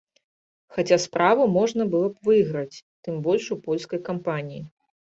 Хаця справу можна было б выйграць, тым больш у польскай кампаніі.